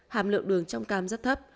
hàm lượng đường trong cam rất thấp